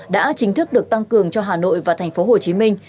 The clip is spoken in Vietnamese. đã chính thức được tăng cường cho hà nội và thành phố hồ chí minh